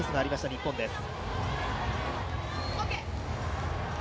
日本です。